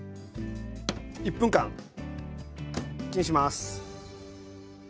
１分間チンします。